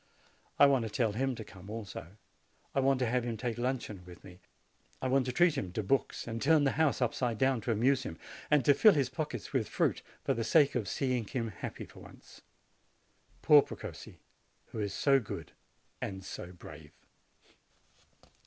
I want to tell him to come also ; I want to have him take luncheon with me ; I want to treat him to books, and turn the house up side down to amuse him, and to fill his pockets with fruit, for the sake of seeing him happy for once, Poor Precossi ! who is so good and so brave